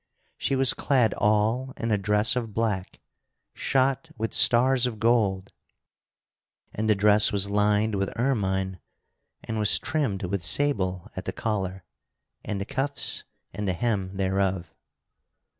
She was clad all in a dress of black, shot with stars of gold, and the dress was lined with ermine and was trimmed with sable at the collar and the cuffs and the hem thereof.